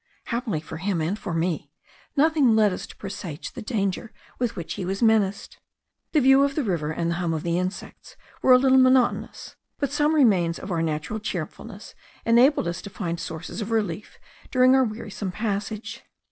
Happily for him and for me, nothing led us to presage the danger with which he was menaced. The view of the river, and the hum of the insects, were a little monotonous; but some remains of our natural cheerfulness enabled us to find sources of relief during our wearisome passage.